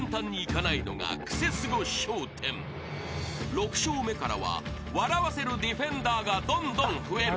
［６笑目からは笑わせるディフェンダーがどんどん増える］